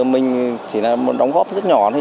mình chỉ là một đóng góp rất nhỏ thôi